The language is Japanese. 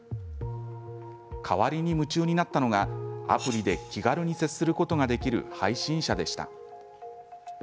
代わりに夢中になったのがアプリで気軽に接することができる配信者でした。